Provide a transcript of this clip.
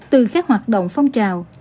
từ các hoạt động phong trào